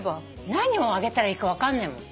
何を上げたらいいか分かんないもん。